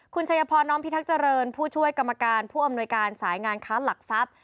คุณชัยพรน้องพิทักษ์เจริญผู้ช่วยกรรมการผู้อำนวยการสายงานค้าหลักทรัพย์